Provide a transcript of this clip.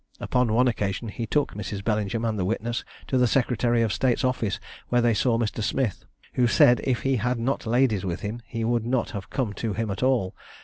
Upon one occasion he took Mrs. Bellingham and the witness to the secretary of state's office, where they saw Mr. Smith, who said if he had not ladies with him he would not have come to him at all.